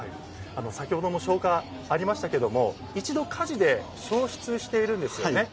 先ほども紹介ありましたけど一度、火事で焼失しているんですよね。